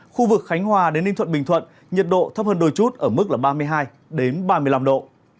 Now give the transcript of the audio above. khu vực khánh hòa đến ninh thuận bình thuận nhiệt độ thấp hơn đôi chút ở mức ba mươi hai ba mươi năm độ